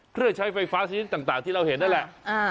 เครื่องใช้ไฟฟ้าชนิดต่างที่เราเห็นนั่นแหละ